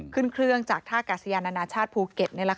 ขึ้นเครื่องจากท่ากาเซียนอนาชาติภูเก็ตนี่แหละค่ะ